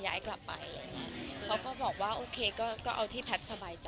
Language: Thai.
ย้ายกลับไปเขาก็บอกว่าโอเคก็ก็เอาที่แพทย์สบายใจ